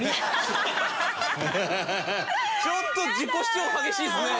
ちょっと自己主張激しいですね。